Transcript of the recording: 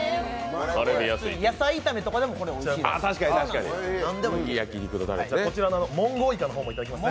野菜炒めとかでもこれ、おいしいです。